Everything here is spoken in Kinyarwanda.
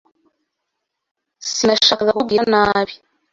Sinashakaga kukubwira ibi.